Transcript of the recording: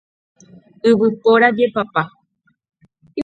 Yvypóra jepapa.